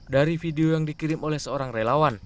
dari video yang dikirim oleh seorang relawan